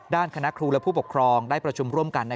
คณะครูและผู้ปกครองได้ประชุมร่วมกัน